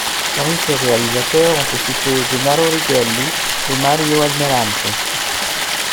Parmi ses réalisateurs, on peut citer Gennaro Righelli et Mario Almirante.